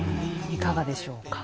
いかがでしょうか？